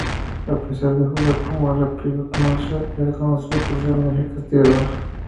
A pesar de jugar como ala-pívot, Marshall es conocido por ser un eficaz tirador.